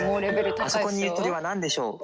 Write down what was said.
あそこにいる鳥は何でしょう？